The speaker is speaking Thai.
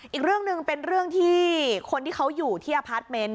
อีกเรื่องหนึ่งเป็นเรื่องที่คนที่เขาอยู่ที่อพาร์ทเมนต์